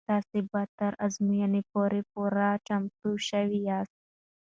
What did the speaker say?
تاسې به تر ازموینې پورې پوره چمتو شوي یاست.